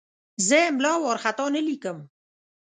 زه املا وارخطا نه لیکم.